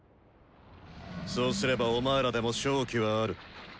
そうすればお前らでも勝機はある。